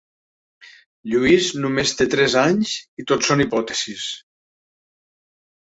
Lluís només té tres anys i tot són hipòtesis.